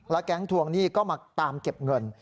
แล้วแก๊งทวงนี่ก็มาตามเก็บเงิน